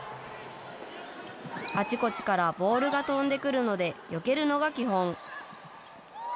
あちこちからボールが飛んでくるので、よけるのが基本。